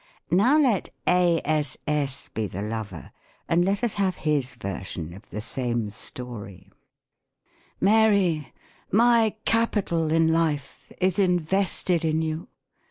Now, let A. S. S. be the lover: and let us have his version of the same story :—" Mary, my capital in life is invested in you.